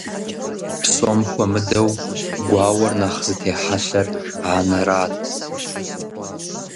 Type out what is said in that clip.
Псом хуэмыдэу гуауэр нэхъ зытехьэлъар анэрат.